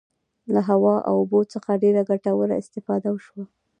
له هوا او اوبو څخه ډیره ګټوره استفاده وشوه.